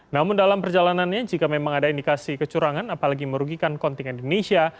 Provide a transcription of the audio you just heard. namun dalam perjalanannya jika memang ada indikasi kecurangan apalagi merugikan kontingen indonesia